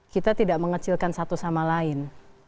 kita tidak mengecilkan satu sama lain